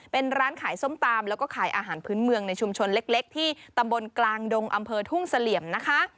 เป็นร้านขายส้มตำแล้วก็ขายอาหารพื้นเมืองในชุมชนเล็กที่ตำบลกลางดงอำเภอทุ่งเสลี่ยมนะคะ